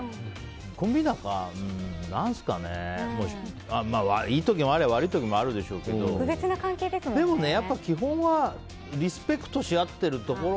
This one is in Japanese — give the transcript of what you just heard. コンビ仲いい時もあれば悪い時もあるでしょうけどでも基本はリスペクトし合っているところ。